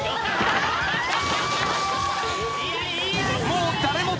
［もう誰も］